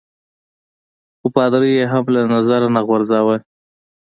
خو پادري يي هم له نظره نه غورځاوه.